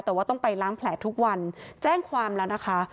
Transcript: แต่ว่าต้องไปล้างแผลทุกวันแจ้งความแล้วนะคะ